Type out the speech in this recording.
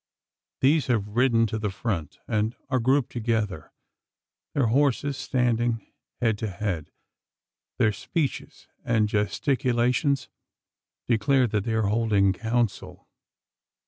These have ridden to the front, and are grouped together their horses standing head to head. Their speeches and gesticulations declare that they are holding council.